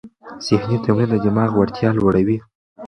ذهني تمرین د دماغ وړتیا لوړوي.